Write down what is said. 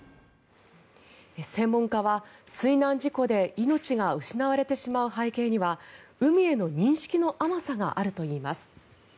専門家は水難事故で命が失われてしまう背景には海への認識の甘さがあるといいます。